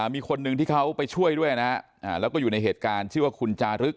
มีคนหนึ่งที่เขาไปช่วยด้วยนะฮะแล้วก็อยู่ในเหตุการณ์ชื่อว่าคุณจารึก